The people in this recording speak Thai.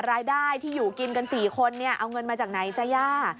รายได้ที่อยู่กินกัน๔คนเอาเงินมาจากไหนจ๊ะย่า